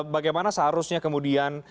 bagaimana seharusnya kemudian